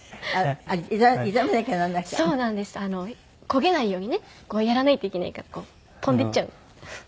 焦げないようにねやらないといけないから飛んでいっちゃう。